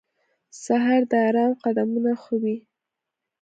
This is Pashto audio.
سهار د آرام قدمونه ښووي.